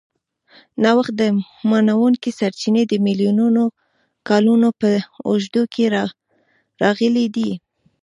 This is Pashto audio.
نوښت نه منونکي سرچینې د میلیونونو کالونو په اوږدو کې راغلي دي.